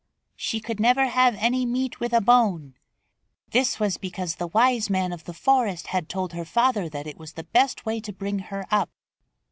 She could never have any meat with a bone. This was because the Wise Man of the Forest had told her father that it was the best way to bring her up.